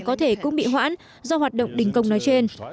có thể cũng bị hoãn do hoạt động đình công nói trên